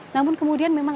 namun kemudian memang